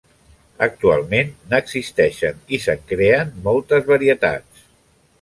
Actualment n'existeixen i se'n creen moltes varietats.